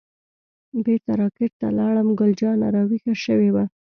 بیرته را کټ ته لاړم، ګل جانه راویښه شوې وه.